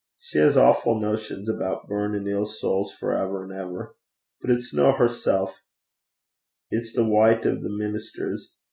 She has awfu' notions aboot burnin' ill sowls for ever an' ever. But it's no hersel'. It's the wyte o' the ministers.